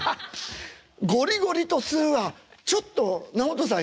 「ゴリゴリ」と「吸う」はちょっと直人さん